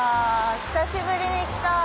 久しぶりに来た。